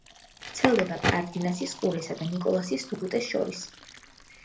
ვრცელდება კარდენასის ყურესა და ნიკოლასის სრუტეს შორის.